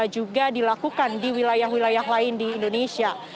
juga dilakukan di wilayah wilayah lain di indonesia